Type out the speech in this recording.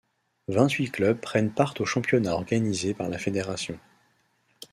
Vingt-huit clubs prennent part au championnat organisé par la fédération.